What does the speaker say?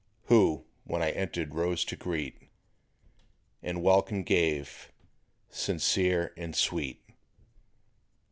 Who, when I entered rose to greet, And welcome gave, sincere and sweet.